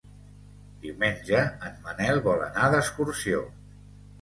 Diumenge en Manel vol anar d'excursió.